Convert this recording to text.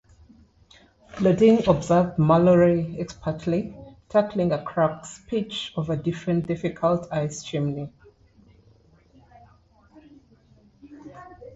Blodig observed Mallory expertly tackling a crux pitch of a very difficult ice chimney.